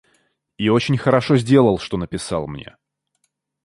И очень хорошо сделал, что написал мне.